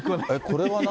これは何？